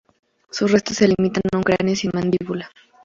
Sus restos se limitan a un cráneo sin la mandíbula.